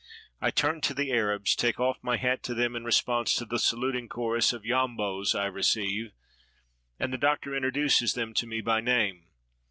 I turn to the Arabs, take off my hat to them in re sponse to the saluting chorus of "Yambos" I receive, and the Doctor introduces them to me by name.